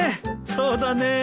そうだね。